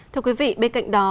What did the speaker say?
thưa quý vị bên cạnh đó